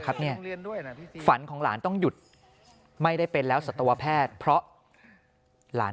ครับเนี่ยฝันของหลานต้องหยุดไม่ได้เป็นแล้วสัตวแพทย์เพราะหลาน